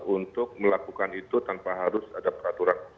untuk melakukan itu tanpa harus ada peraturan